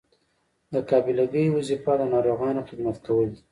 د قابله ګۍ وظیفه د ناروغانو خدمت کول دي.